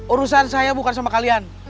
urusan saya bukan sama kalian